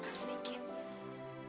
kak fatima kenapa